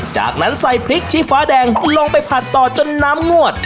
จากนั้นใส่พริกชี้ฟ้าแดงลงไปผัดต่อจนน้ำงวด